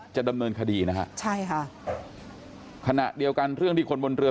จะดำเนินคดีนะฮะใช่ค่ะขณะเดียวกันเรื่องที่คนบนเรือ